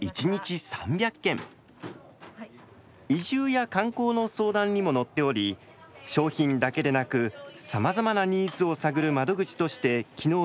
移住や観光の相談にも乗っており商品だけでなくさまざまなニーズを探る窓口として機能しているそうです。